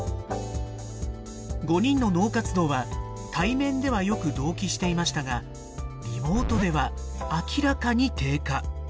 ５人の脳活動は対面ではよく同期していましたがリモートでは明らかに低下。